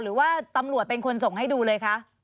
หรือว่าตำรวจเป็นคนส่งให้ดูเลยคะ